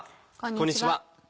こんにちは。